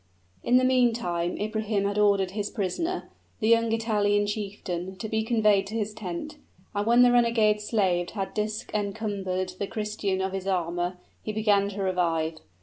In the meantime Ibrahim had ordered his prisoner, the young Italian chieftain, to be conveyed to his tent; and when the renegade's slaves had disencumbered the Christian of his armor, he began to revive.